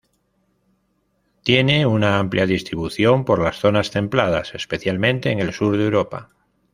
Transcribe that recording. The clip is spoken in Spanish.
Tiene una amplia distribución por las zonas templadas, especialmente en el sur de Europa.